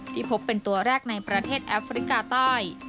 พบเป็นตัวแรกในประเทศแอฟริกาใต้